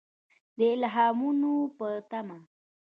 د الهامونو په تمه.